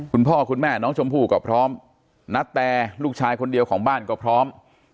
คุณพ่อคุณแม่น้องชมพู่ก็พร้อมณแต่ลูกชายคนเดียวของบ้านก็พร้อม